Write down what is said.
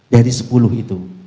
dari sepuluh itu